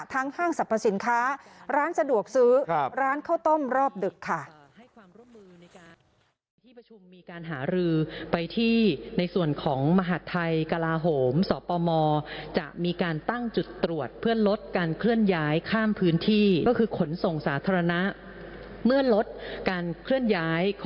ห้างสรรพสินค้าร้านสะดวกซื้อร้านข้าวต้มรอบดึกค่ะ